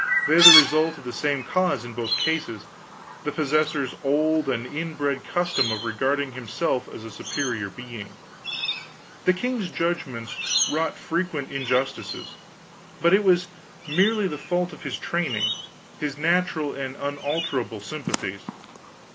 They are the result of the same cause in both cases: the possessor's old and inbred custom of regarding himself as a superior being. The king's judgments wrought frequent injustices, but it was merely the fault of his training, his natural and unalterable sympathies.